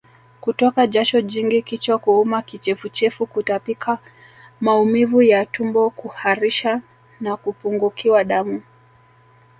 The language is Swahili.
Kutoka jasho jingi kichwa kuuma Kichefuchefu Kutapika Maumivu ya tumboKuharisha na kupungukiwa damu